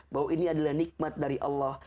bahwa ini adalah nikmat dari allah